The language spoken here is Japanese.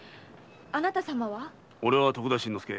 俺は徳田新之助。